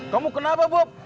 kamu kenapa bob